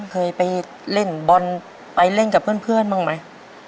เคยไปเล่นบอลไปเล่นกับเพื่อนบ้างไหม